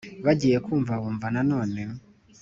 bagiye kumva bumva nanone